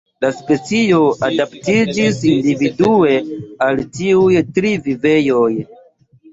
La specioj adaptiĝis individue al tiuj tri vivejoj.